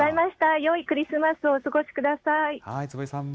よいクリスマスをお過ごしくださ坪井さんも。